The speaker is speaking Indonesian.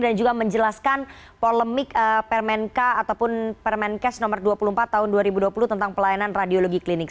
dan juga menjelaskan polemik permain case no dua puluh empat tahun dua ribu dua puluh tentang pelayanan radiologi klinik